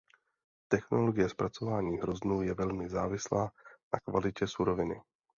Technologie zpracování hroznů je velmi závislá na kvalitě suroviny.